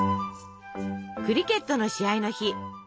クリケットの試合の日。